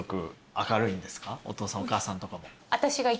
お父さんお母さんとかも。